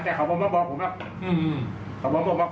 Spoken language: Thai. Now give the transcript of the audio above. ที่เห็นในคลิปก็ชีวิตจริงจริงหมดเลย